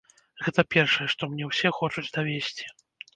Гэта першае, што мне ўсе хочуць давесці.